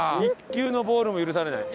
１球のボールも許されない。